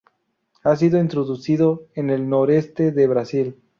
Ha sido introducido en el noreste de Brasil.